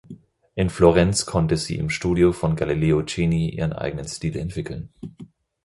In Florenz konnte sie im Studio von Galileo Chini ihren eigenen Stil entwickeln.